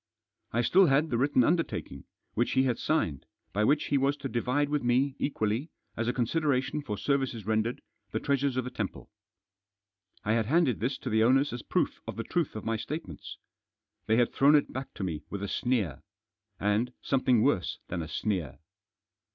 I still had the written undertaking, which he had signed, by which he was to divide with me equally, as a con sideration for services rendered, the treasures of the temple. I had handed this to the owners as proof of the truth of my statements. They had thrown it back to me with a sneer. And something worse than a sneer.